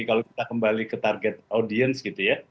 kalau kita kembali ke target audiens gitu ya